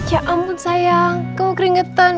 ya ampun sayang kau keringetan